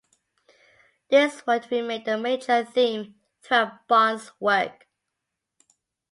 This would remain the major theme throughout Bond's work.